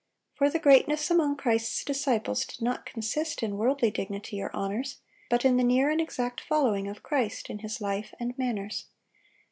For the greatness among Christ's disciples did not consist in worldly dignity or honors, but in the near and exact following of Christ in His life and manners....